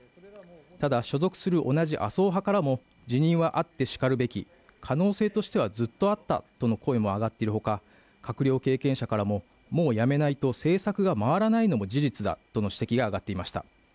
ただ、所属する同じ麻生派からも辞任はあってしかるべき可能性としてはずっとあったとの声も上がっているほか閣僚経験者からも、もう辞めないと政策が回らないのも事実だとの指摘も上がっていました。